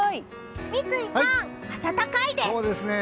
三井さん、暖かいです。